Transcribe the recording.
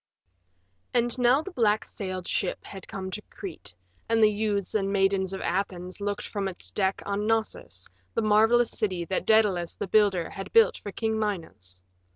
III And now the black sailed ship had come to Crete, and the youths and maidens of Athens looked from its deck on Knossos, the marvelous city that Daedalus the builder had built for King Minos.